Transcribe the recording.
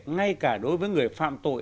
ngay cả đối với người phạm tội